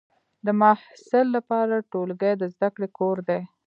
د محصل لپاره ټولګی د زده کړې کور دی.